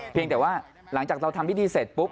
แต่ว่าหลังจากเราทำพิธีเสร็จปุ๊บ